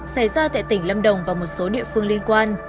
xảy ra tại tỉnh lâm đồng và một số địa phương liên quan